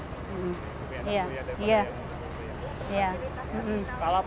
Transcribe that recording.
ya enak pokoknya terapi